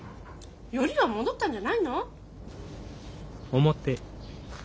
ヨリが戻ったんじゃないの？